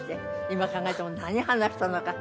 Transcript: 今考えても何話したのか。